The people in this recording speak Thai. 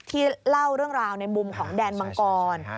เล่าเรื่องราวในมุมของแดนมังกร